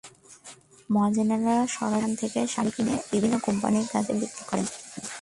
মহাজনেরা সরাসরি এখান থেকে শাড়ি কিনে বিভিন্ন কোম্পানির কাছে বিক্রি করেন।